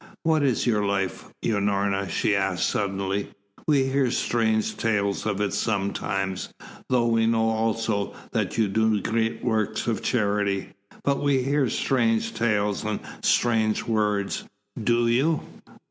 "What is your life, Unorna?" she asked suddenly. "We hear strange tales of it sometimes, though we know also that you do great works of charity. But we hear strange tales and strange words." "Do you?"